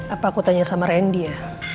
apa aku tanya sama rendy ya